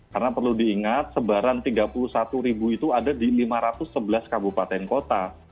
karena perlu diingat sebaran tiga puluh satu itu ada di lima ratus sebelas kabupaten kota